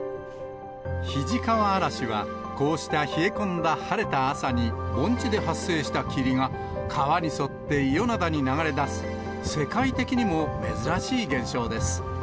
肱川あらしは、こうした冷え込んだ晴れた朝に、盆地で発生した霧が、川に沿って伊予灘に流れ出す、世界的にも珍しい現象です。